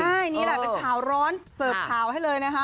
ใช่นี่แหละเป็นข่าวร้อนเสิร์ฟข่าวให้เลยนะคะ